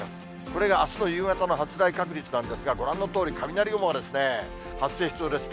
これがあすの夕方の発雷確率なんですが、ご覧のとおり、雷雲が発生しそうです。